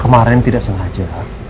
kemarin tidak sengaja